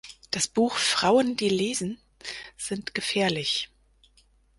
Das Buch „"Frauen, die lesen, sind gefährlich.